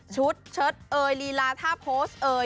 เชิดเอ่ยลีลาท่าโพสต์เอ่ย